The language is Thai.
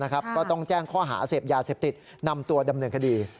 ก็ต้องแจ้งข้อหาเสพยาเสพติดนำตัวดำเนินคดี